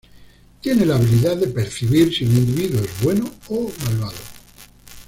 Tiene la habilidad de percibir si un individuo es bueno o malvado.